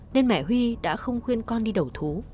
nên mẹ huy đã không khuyên con đi đầu thú